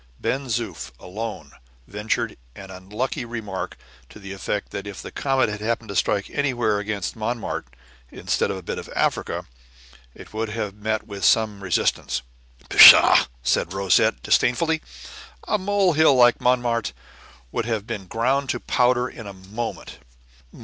Ben Zoof alone ventured an unlucky remark to the effect that if the comet had happened to strike against Montmartre, instead of a bit of Africa, it would have met with some resistance. "Pshaw!" said Rosette, disdainfully. "A mole hill like Montmartre would have been ground to powder in a moment."